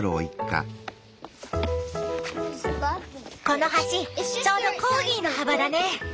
この橋ちょうどコーギーの幅だね。